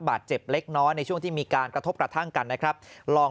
บาดเจ็บเล็กน้อยในช่วงที่มีการกระทบกระทั่งกันนะครับลอง